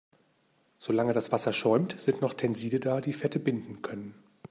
Solange das Wasser schäumt, sind noch Tenside da, die Fette binden können.